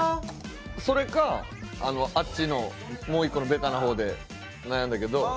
それかあっちのもう１個のベタな方で悩んだけど多分。